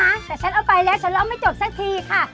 แต่ฉันเอาไปแล้วฉันเล่าไม่จบสักทีค่ะ